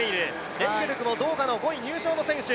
レンゲルクもドーハの５位入賞の選手。